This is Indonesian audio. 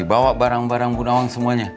bawa barang barang bu nawang semuanya